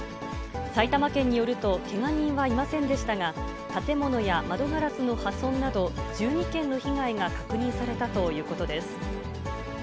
埼玉県によると、けが人はいませんでしたが、建物や窓ガラスの破損など、１２件の被害が確認されたということです。